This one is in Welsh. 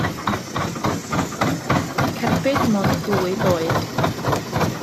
Cerbyd 'mond blwydd oed.